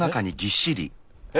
え？